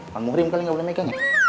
pemurim kali gak boleh megangnya